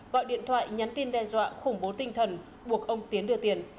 gọi điện thoại nhắn tin đe dọa khủng bố tinh thần buộc ông tiến đưa tiền